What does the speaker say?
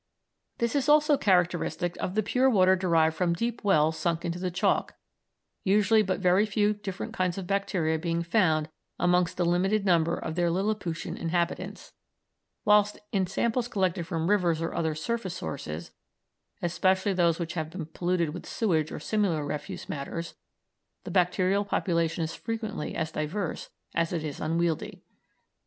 This is also characteristic of the pure water derived from deep wells sunk into the chalk, usually but very few different kinds of bacteria being found amongst the limited number of their Lilliputian inhabitants, whilst in samples collected from rivers or other surface sources, especially those which have been polluted with sewage or similar refuse matters, the bacterial population is frequently as diverse as it is unwieldy.